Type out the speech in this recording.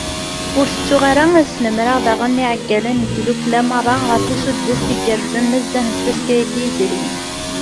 Ur tettuɣ ara ad snemreɣ daɣen iɛeggalen n tddukkla meṛṛa ɣef usuddes igerrzen nezzeh n tfaska-agi yezrin.